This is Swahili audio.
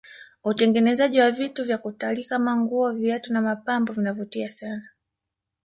utengenezaji wa vitu vya kutalii Kama nguo viatu na mapambo vinavutia sana